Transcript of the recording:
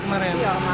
terus gitu kan